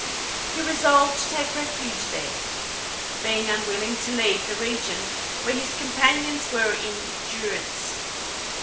He resolved to take refuge there, being unwilling to leave the region where his companions were in durance.